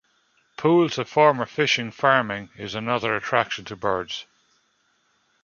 Pools of former fishing farming is another attraction to birds.